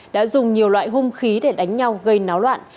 đã dùng nhiều loại hung khí để đánh nhau gây náo loạn